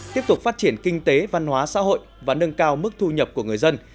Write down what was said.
tiếp tục phát triển kinh tế văn hóa xã hội và nâng cao mức thu nhập của người dân